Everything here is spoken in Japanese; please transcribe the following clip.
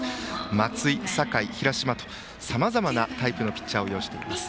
松井、境、平嶋とさまざまなタイプのピッチャーを擁しています。